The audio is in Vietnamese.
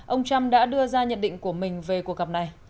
ông trump đã đưa ra nhận định của mình về cuộc gặp này